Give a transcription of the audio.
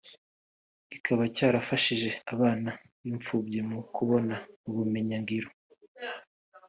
kikaba cyarafashije abana b’impfubyi mu kubona ubumenyingiro